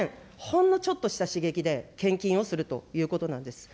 ほんのちょっとした刺激で、献金をするということなんです。